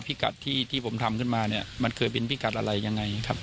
พิกัดที่ผมทำขึ้นมาเนี่ยมันเคยเป็นพิกัดอะไรยังไงครับ